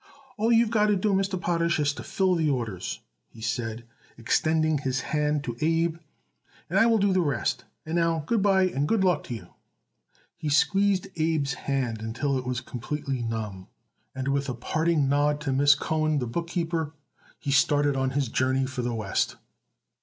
"All you've got to do, Mr. Potash, is to fill the orders," he said, extending his hand to Abe, "and I will do the rest. And now good by and good luck to you." He squeezed Abe's hand until it was completely numb, and with a parting nod to Miss Cohen, the bookkeeper, he started on his journey for the West.